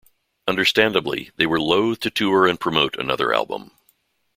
Understandably, they were loath to tour and promote another album.